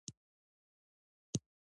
افغانستان د فاریاب له پلوه متنوع دی.